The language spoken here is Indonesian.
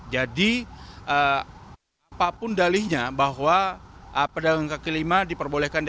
jadi apapun dalihnya bahwa pedagang kaki lima diperbolehkan